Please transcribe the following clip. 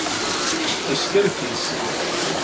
Yeskerkis.